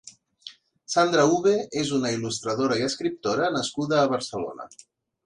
Sandra Uve és una il·lustradora i escriptora nascuda a Barcelona.